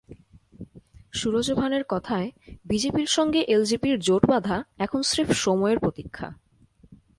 সুরজভানের কথায়, বিজেপির সঙ্গে এলজেপির জোট বাধা এখন স্রেফ সময়ের প্রতীক্ষা।